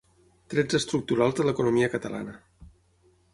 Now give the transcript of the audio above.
Trets estructurals de l'economia catalana: